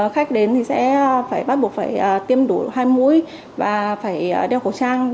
khách đến thì sẽ phải bắt buộc phải tiêm đủ hai mũi và phải đeo khẩu trang